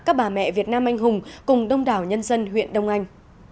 các bà mẹ việt nam anh hùng cùng đông đảo nhân dân huyện đông anh